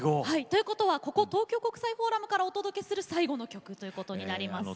ということはここ東京国際フォーラムからお届けする最後の曲ということになります。